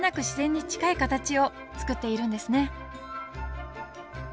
自然に近い形を作っているんですね